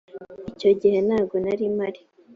icyo gihe ntago narimpari.